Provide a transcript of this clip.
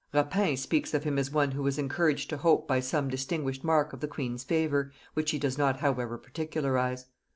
Rapin speaks of him as one who was encouraged to hope by some distinguished mark of the queen's favor, which he does not however particularize.